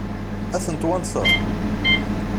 Ad ten-twanseḍ?